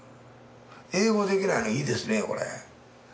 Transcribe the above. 英語できないのいいですねこれ。